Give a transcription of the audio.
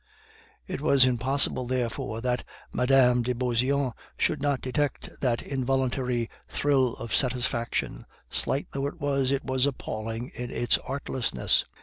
It was impossible, therefore, that Mme. de Beauseant should not detect that involuntary thrill of satisfaction; slight though it was, it was appalling in its artlessness.